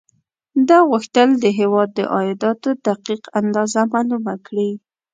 ده غوښتل د هېواد د عایداتو دقیق اندازه معلومه کړي.